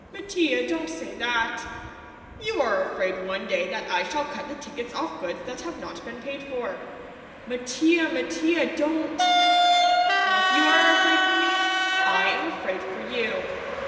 "Mattia, don't say that!" "You are afraid one day that I shall cut the tickets off goods that have not been paid for." "Mattia, Mattia, don't!" "Well, if you are afraid for me, I am afraid for you.